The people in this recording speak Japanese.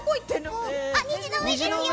虹の上ですよ。